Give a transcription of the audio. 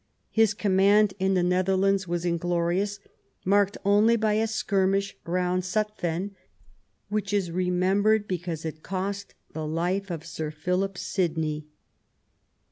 His command in the Netherlands was in glorious, marked only by a skirmish round Zutphen, which is remembered because it cost the life of Sir Philip Sidney.